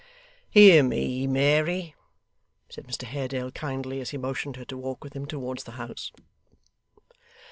'Hear me, Mary,' said Mr Haredale kindly, as he motioned her to walk with him towards the house.